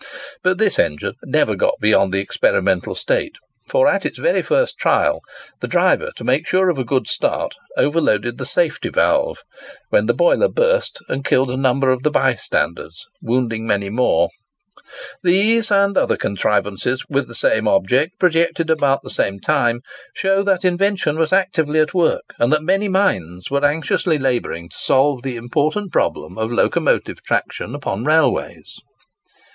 But this engine never got beyond the experimental state, for, at its very first trial, the driver, to make sure of a good start, overloaded the safety valve, when the boiler burst and killed a number of the bystanders, wounding many more. These, and other contrivances with the same object, projected about the same time, show that invention was actively at work, and that many minds were anxiously labouring to solve the important problem of locomotive traction upon railways.